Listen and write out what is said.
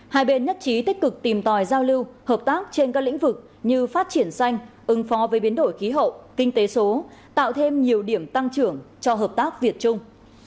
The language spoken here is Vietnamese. hai bên nhất trí tích cực tìm tòi giao lưu hợp tác trên các lĩnh vực như phát triển xanh ứng phó với biến đổi khí hậu kinh tế số tạo thêm nhiều điểm tăng trưởng cho hợp tác việt trung